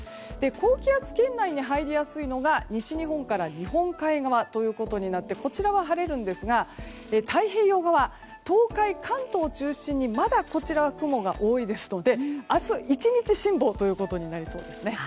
高気圧圏内に入りやすいのが西日本から日本海側となってこちらは晴れるんですが太平洋側、東海、関東を中心にまだこちらは雲が多いですので明日１日、辛抱ということになりそうですね。